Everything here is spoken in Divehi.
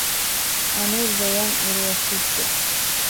އަނެއް ރެއަށް އިރު އޮއްސިއް ޖެ